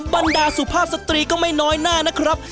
บรรดาสุภาพสตรีก็ไม่น้อยหน้านะครับ